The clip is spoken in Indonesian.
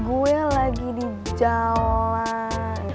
gue lagi di jalan